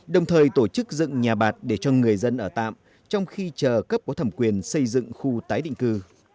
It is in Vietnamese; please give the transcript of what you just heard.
đồng thời tổ chức dựng nhà bạc để cho người dân ở tạm trong khi chờ cấp có thẩm quyền xây dựng khu tái định cư